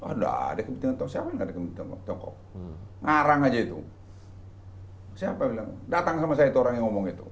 ada ada kepentingan tiongkok siapa yang ada kepentingan tiongkok ngarang aja itu siapa bilang datang sama saya itu orang yang ngomong itu